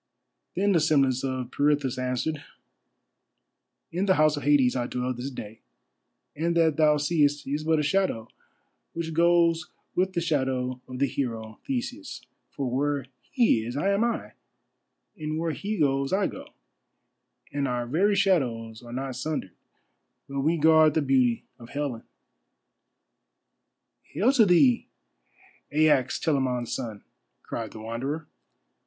Then the semblance of Pirithous answered: "In the House of Hades I dwell this day, and that thou seest is but a shadow which goes with the shadow of the hero Theseus. For where he is am I, and where he goes I go, and our very shadows are not sundered; but we guard the beauty of Helen." "Hail to thee, Aias, Telamon's son," cried the Wanderer.